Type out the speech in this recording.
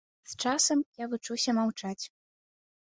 З часам я вучуся маўчаць.